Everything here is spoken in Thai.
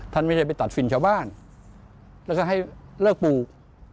ท่านไม่ได้ไปตัดฝิ่นชาวบ้านแล้วก็ให้เลิกปลูก